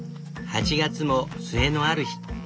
８月も末のある日。